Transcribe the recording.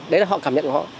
đấy là họ cảm nhận của họ